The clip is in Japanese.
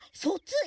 そう。